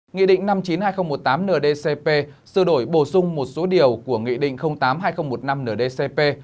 nghị định năm mươi chín hai nghìn một mươi tám ndcp sửa đổi bổ sung một số điều của nghị định tám hai nghìn một mươi năm ndcp